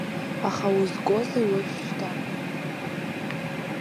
Аха узгозеи уажәшьҭа?